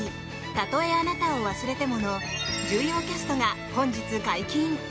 「たとえあなたを忘れても」の重要キャストが本日解禁。